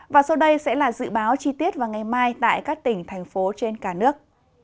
và sau đây sẽ là dự báo chi tiết vào ngày mai tại các tỉnh thành phố trên cả nước